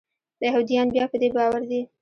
یهودیان بیا په دې باور دي.